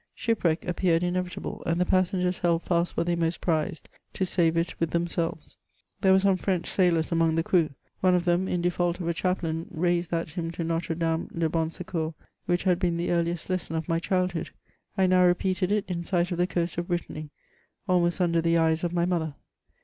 Ship* wreck appeared inevitahle, and the passengers held fast what they most prized, to save it with themselves. Inhere were some French sailors among the crew ; one of them, in default of a chaplain, raised that hymn to Notre Dame de Bans Secours which had been the earliest lesson of my childhood ; I now repeated it in sight of the coast of Brittany, almost under the eyes of my mother.